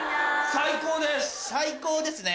最高ですね。